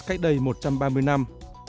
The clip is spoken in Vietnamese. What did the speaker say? cách đây một trăm ba mươi năm